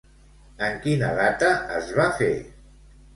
En quina data es va fer?